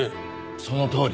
そのとおり。